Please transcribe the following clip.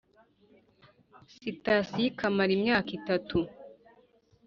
sitasiyo ikamara imyaka itatu